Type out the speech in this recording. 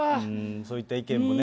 そういった意見もね。